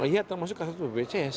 oh iya termasuk kartu bpcs